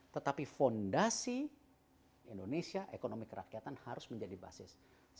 tetapi fondasi indonesia ekonomi kerakyatan harus menjadi basis